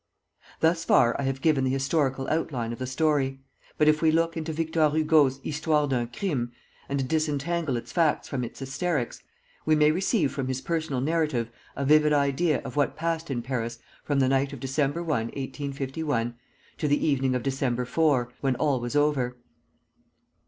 Thus far I have given the historical outline of the story; but if we look into Victor Hugo's "Histoire d'un Crime," and disentangle its facts from its hysterics, we may receive from his personal narrative a vivid idea of what passed in Paris from the night of Dec. 1, 1851, to the evening of December 4, when all was over.